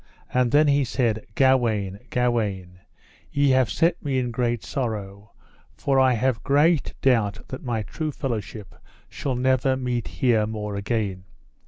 And then he said: Gawaine, Gawaine, ye have set me in great sorrow, for I have great doubt that my true fellowship shall never meet here more again.